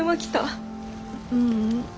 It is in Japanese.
ううん。